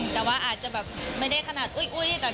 แต่ว่าอาจจะแบบไม่ได้ขนาดอุ๊ย